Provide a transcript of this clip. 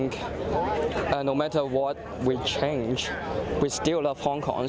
kami berubah kami masih menyukai hong kong